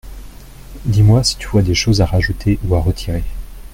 Dis-moi si tu vois des choses à rajouter ou à retirer.